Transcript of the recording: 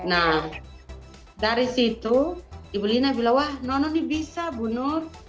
nah dari situ ibu lina bilang wah nono ini bisa bu nur